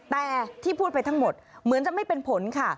แต่ที่พูดไปทั้งหมดเหมือนจะไม่เป็นผลค่ะ